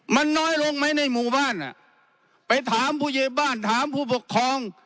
มันน้อยลงไหมในหมู่บ้านอ่ะไปถามผู้ใหญ่บ้านถามผู้ปกครอง